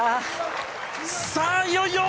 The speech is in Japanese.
さあ、いよいよ！